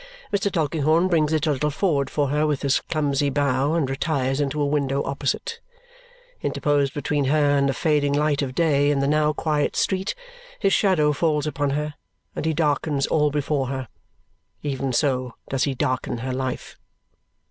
Mr. Tulkinghorn brings it a little forward for her with his clumsy bow and retires into a window opposite. Interposed between her and the fading light of day in the now quiet street, his shadow falls upon her, and he darkens all before her. Even so does he darken her life.